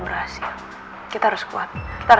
buta apa watin